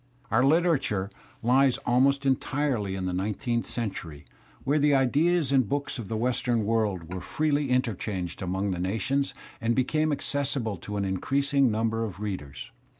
Our literature lies almost entirely in the nineteenth century when the ideas and books of the western world were freely interchanged among the nations and became accessible to ah increasing number of readers.